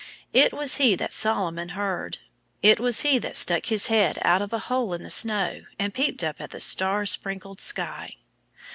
It was he that Solomon heard. It was he that stuck his head out of a hole in the snow and peeped up at the star sprinkled sky.